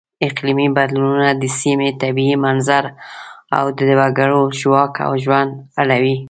اقلیمي بدلونونه د سیمې طبیعي منظر او د وګړو ژواک او ژوند اړوي.